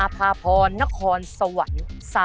๒อภพรณครสวรรค์